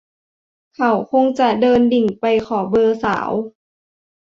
เขาคงจะเดินดิ่งไปขอเบอร์สาว